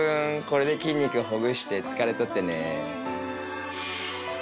これで筋肉ほぐして疲れ取ってね。